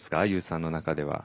Ｕさんの中では。